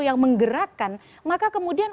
yang menggerakkan maka kemudian